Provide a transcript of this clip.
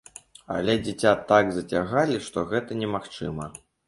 Але дзіця так зацягалі, што гэта немагчыма.